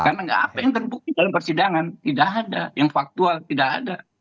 karena nggak apa yang terbukti dalam persidangan tidak ada yang faktual tidak ada